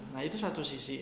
nah itu satu sisi